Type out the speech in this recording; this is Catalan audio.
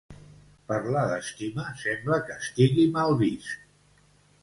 Parlar d'estima sembla que estigui mal vist.